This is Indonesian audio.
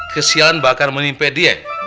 kesialan bakar menyimpit dia